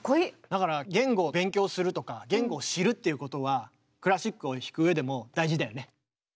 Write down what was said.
だから言語を勉強するとか言語を知るっていうことはクラシックを弾く上でも大事だよね。